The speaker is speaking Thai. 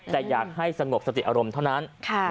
แต่อยากให้สงบสติอารมณ์เท่านั้น